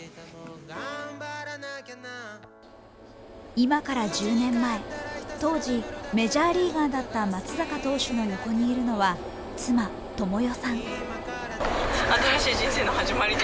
今から１０年前、当時メジャーリーガーだった松坂投手の横にいるのは妻、倫世さん。